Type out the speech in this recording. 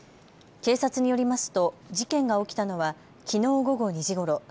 警察によりますと事件が起きたのはきのう午後２時ごろ。